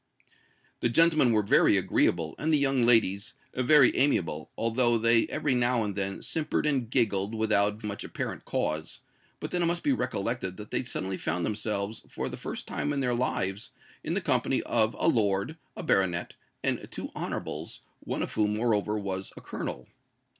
The gentlemen were very agreeable, and the young ladles very amiable—although they every now and then simpered and giggled without much apparent cause; but then it must be recollected that they suddenly found themselves for the first time in their lives in the company of a Lord, a Baronet, and two Honourables, one of whom moreover was a Colonel.